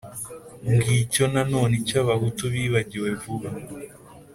ngicyo nanone icyo abahutu bibagiwe vuba